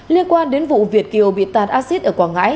liên quan đến vụ việt kiều bị tàn acid ở quảng ngãi